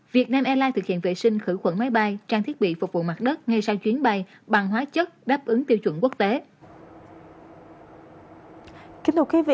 việt nam airlines thực hiện vệ sinh khử khuẩn máy bay trang thiết bị phục vụ mặt đất ngay sau chuyến bay bằng hóa chất đáp ứng tiêu chuẩn quốc tế